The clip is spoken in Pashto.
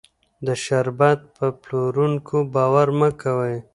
د شربت په پلورونکو باور مه کوئ.